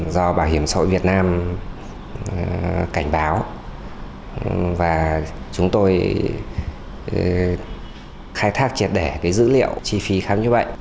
do bảo hiểm xã hội việt nam cảnh báo và chúng tôi khai thác triệt đẻ dữ liệu chi phí khám chữa bệnh